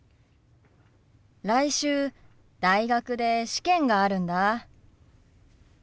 来週大学で試験があるんだ。